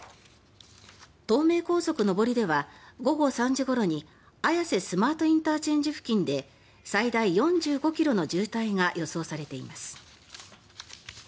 東名高速上りでは午後３時ごろに綾瀬スマートＩＣ付近で最大４５ｋｍの渋滞が予想されています。